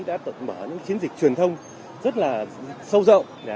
đã mở những chiến dịch truyền thông rất là sâu rộng